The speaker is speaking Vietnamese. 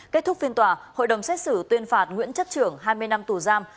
kết thúc phiên tòa hội đồng xét xử tuyên phạt nguyễn chất trưởng hai mươi năm tù giam